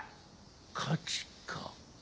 勝ちか。